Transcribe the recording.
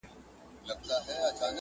په فریاد یې وو پر ځان کفن څیرلی؛